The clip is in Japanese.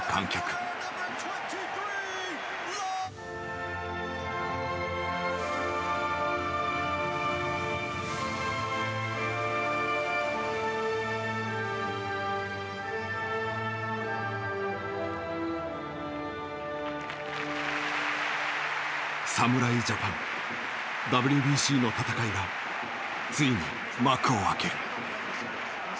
『君が代』侍ジャパンＷＢＣの戦いがついに幕を開ける。